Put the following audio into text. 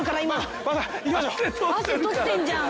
汗とってんじゃん。